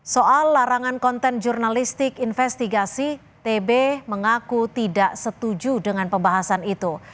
soal larangan konten jurnalistik investigasi tb mengaku tidak setuju dengan pembahasan itu